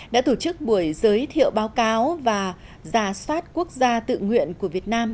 đã tổ chức buổi giới thiệu báo cáo và giả soát quốc gia tự nguyện của việt nam